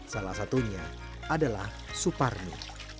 salah satunya adalah suparno